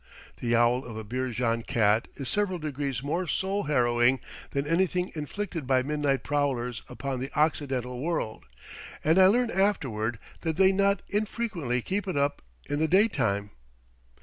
The yowl of a Beerjand cat is several degrees more soul harrowing than anything inflicted by midnight prowlers upon the Occidental world, and I learn afterward that they not infrequently keep it up in the daytime.